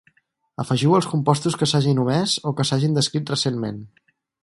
Afegiu els compostos que s'hagin omès o que s'hagin descrit recentment.